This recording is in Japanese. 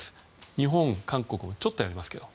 日本、韓国もちょっとやりますけど。